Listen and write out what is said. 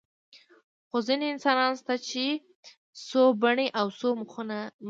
خو ځینې انسانان شته چې څو بڼې او څو مخه لري.